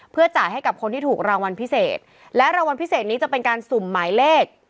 เพื่อจ่ายให้กับคนที่ถูกรางวัลพิเศษและรางวัลพิเศษนี้จะเป็นการสุ่มหมายเลข